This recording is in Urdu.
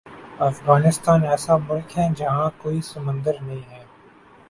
افغانستان ایسا ملک ہے جہاں کوئی سمندر نہیں ہے